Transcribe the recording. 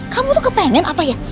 kamu tuh kepengen apa ya